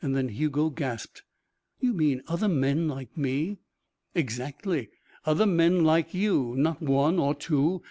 Then Hugo gasped. "You mean other men like me?" "Exactly. Other men like you. Not one or two.